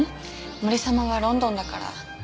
森様はロンドンだから。